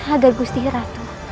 agar wusti ratu